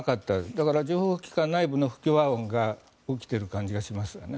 だから情報機関内部の不協和音が起きている感じがします。